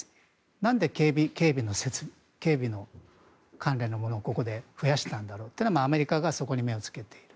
何で警備関連のものをここで増やしたんだろうというのはアメリカがそこに目をつけて。